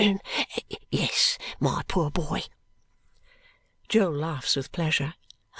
"Yes, my poor boy." Jo laughs with pleasure.